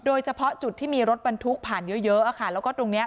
โดยเฉพาะจุดที่มีรถบรรทุกผ่านเยอะเยอะอะค่ะแล้วก็ตรงเนี้ย